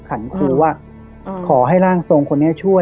ขัดคือว่าอ่าขอให้ร่างทรงคนเนี้ยช่วย